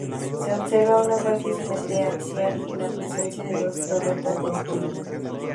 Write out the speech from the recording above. Se observa una fuerte simetría axial y la presencia de dos torretas de esquina.